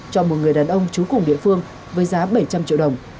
cho một người đàn ông trú cùng địa phương với giá bảy trăm linh triệu đồng